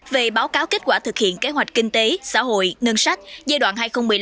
về báo cáo kết quả thực hiện kế hoạch kinh tế xã hội ngân sách giai đoạn hai nghìn một mươi sáu hai nghìn hai mươi